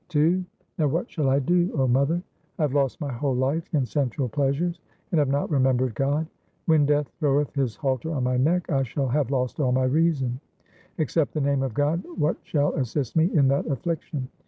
II Now what shall I do, O mother ? I have lost my whole life in sensual pleasures and have not remembered God. When Death throweth his halter on my neck, I shall have lost all my reason. 1 Except the name of God what shall assist me in that affliction